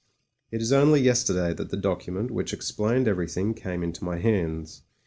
It is only yesterday that the document, which explained everything, came into my hands.